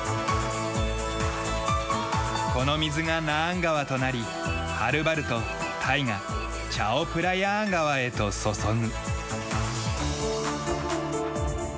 この水がナーン川となりはるばると大河チャオプラヤー川へと注ぐ。